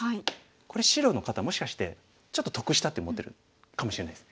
これ白の方もしかしてちょっと得したって思ってるかもしれないです。